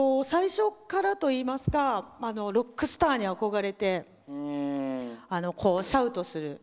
最初からといいますかロックスターに憧れてシャウトする